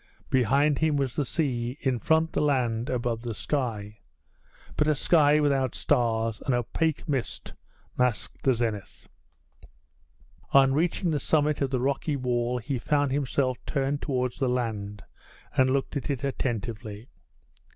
Behind him was the sea; in front the land; above, the sky but a sky without stars; an opaque mist masked the zenith. On reaching the summit of the rocky wall he found himself turned towards the land, and looked at it attentively.